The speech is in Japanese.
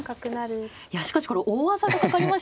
いやしかしこれ大技がかかりましたね。